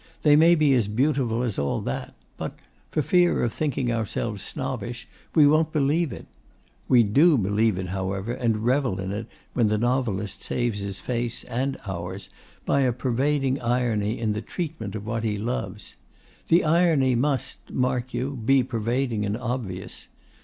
They may be as beautiful as all that, but, for fear of thinking ourselves snobbish, we won't believe it. We do believe it, however, and revel in it, when the novelist saves his face and ours by a pervading irony in the treatment of what he loves. The irony must, mark you, be pervading and obvious.